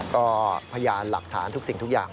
ก็พยานหลักฐานทุกสิ่งทุกอย่าง